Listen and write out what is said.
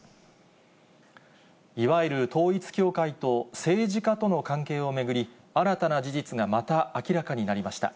いわゆる統一教会と政治家との関係を巡り、新たな事実がまた明らかになりました。